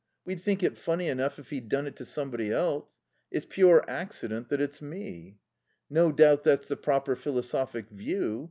We'd think it funny enough if he'd done it to somebody else. It's pure accident that it's me." "No doubt that's the proper philosophic view.